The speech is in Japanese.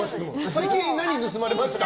最近何盗まれました？って。